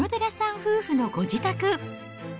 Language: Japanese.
夫婦のご自宅。